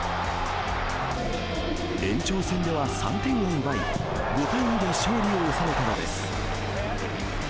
延長戦では３点を奪い、５対２で勝利を収めたのです。